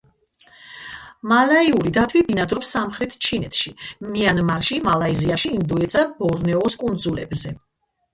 მალაიური დათვი ბინადრობს სამხრეთ ჩინეთში, მიანმარში, მალაიზიაში, ინდოეთისა და ბორნეოს კუნძულებზე.